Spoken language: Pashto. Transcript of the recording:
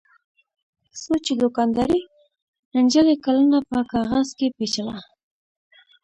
څو چې دوکاندارې نجلۍ کلنه په کاغذ کې پېچله.